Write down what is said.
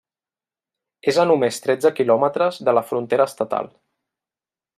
És a només tretze quilòmetres de la frontera estatal.